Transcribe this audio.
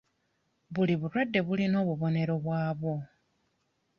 Buli bulwadde bulina obubonero bwabwo.